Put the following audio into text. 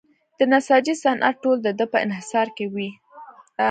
د نساجۍ صنعت ټول د ده په انحصار کې وي.